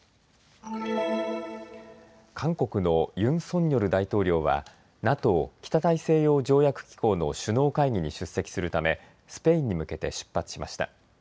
韓国のユン・ソンニョル大統領はＮＡＴＯ・北大西洋条約機構の首脳会議に出席するためスペインに向けて出発しました。